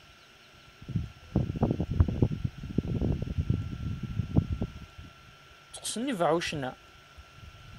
Tteqqsen yibeɛɛucen-a?